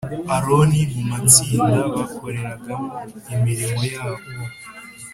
Aroni mu matsinda bakoreragamo imirimo yabo